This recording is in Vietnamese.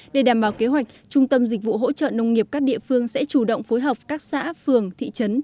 để đảm bảo kế hoạch trung tâm dịch vụ hỗ trợ nông nghiệp các địa phương sẽ chủ động phối hợp các xã phường thị trấn